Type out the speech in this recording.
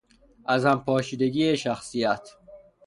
از هم پاشیدگی شخصیت